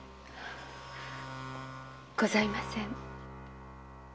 ございません。